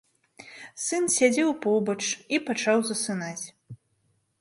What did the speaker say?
Сын сядзеў побач і пачаў засынаць.